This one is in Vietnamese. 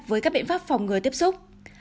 với các biện pháp phòng ngừa tiếp xúc